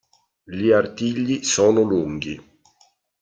Gli artigli sono lunghi.